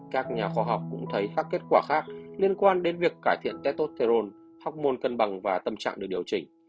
các nhà khoa học cũng thấy các kết quả khác liên quan đến việc cải thiện tetosterone hormôn cân bằng và tâm trạng được điều chỉnh